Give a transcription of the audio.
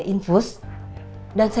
tidak ada disana